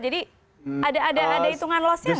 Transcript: jadi ada hitungan loss nya nggak